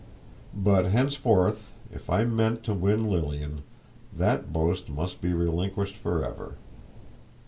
But henceforth, if I meant to win Lilian, that boast must be relinquished for ever.